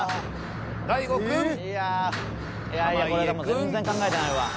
全然考えてないわ。